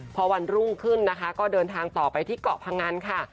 พอวันรุ่งขึ้นนะคะก็เดินทางต่อไปที่เกาะพงันค่ะ